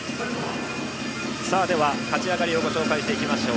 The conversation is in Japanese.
では勝ち上がりをご紹介していきましょう。